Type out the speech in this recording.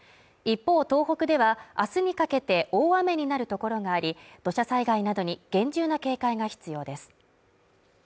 一方、東北ではあすにかけて大雨になるところがあり、土砂災害などに厳重な警戒が必要です。